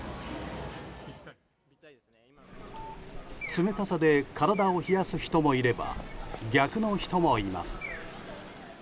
冷たさで体を冷やす人もいれば逆の人もいます。